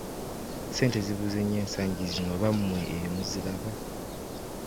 Ssente zibuze nnyo ensangi zino oba mmwe eyo muziraba?